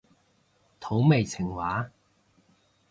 土味情話